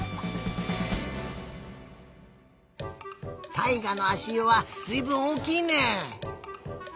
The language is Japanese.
たいがのあしゆはずいぶんおおきいね。